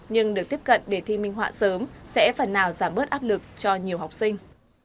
nhưng được tiếp cận đề thi minh họa sớm sẽ phần nào giảm bớt áp lực cho nhiều học sinh